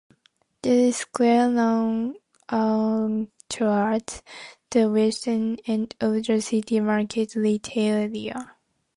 The square now anchors the western end of the City Market retail area.